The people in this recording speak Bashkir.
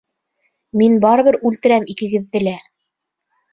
Мин барыбер үлтерәм икегеҙҙе лә!